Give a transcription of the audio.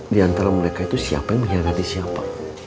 di antara mereka itu siapa yang mengkhianati siapa